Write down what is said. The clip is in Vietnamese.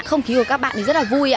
không khí của các bạn ấy rất là vui